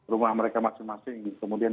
rumah mereka masing masing kemudian